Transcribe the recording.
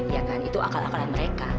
ya kan itu akal akalan mereka